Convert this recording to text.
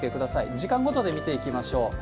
時間ごとで見ていきましょう。